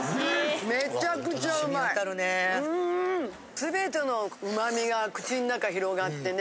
全てのうまみが口ん中広がってね